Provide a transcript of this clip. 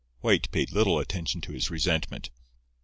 White paid little attention to his resentment.